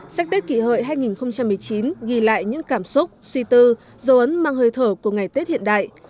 sách tết kỷ hợi hai nghìn một mươi chín ghi lại những cảm xúc suy tư dấu ấn mang hơi thở của ngày tết hiện đại